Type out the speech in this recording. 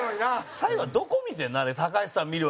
最後は、どこ見てるの？